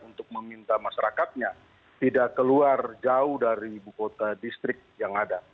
untuk meminta masyarakatnya tidak keluar jauh dari ibu kota distrik yang ada